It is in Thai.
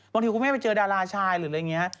คุณแม่ไปเจอดาราชายหรืออะไรอย่างนี้